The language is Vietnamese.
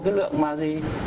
cái lượng mà gì